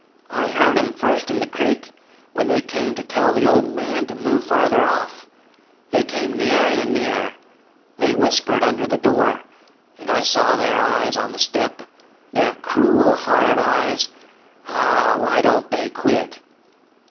I heard 'em first in the creek, when they came to tell the old man to move farther off. They came nearer and nearer. They whispered under the door, and I saw their eyes on the step their cruel, hard eyes. Ah, why don't they quit?"